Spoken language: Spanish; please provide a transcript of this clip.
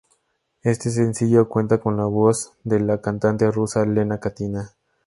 Este sencillo cuenta con la voz de la cantante rusa Lena Katina.